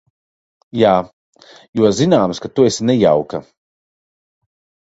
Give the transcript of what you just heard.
Jā, jo zināms, ka tu esi nejauka.